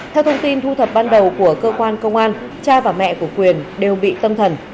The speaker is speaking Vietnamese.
theo thông tin thu thập ban đầu của cơ quan công an cha và mẹ của quyền đều bị tâm thần